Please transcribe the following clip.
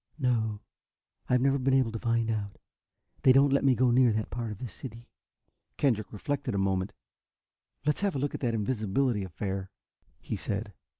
"No, I've never been able to find out. They don't let me go near that part of the city." Kendrick reflected a moment. "Let's have a look at that invisibility affair," he said.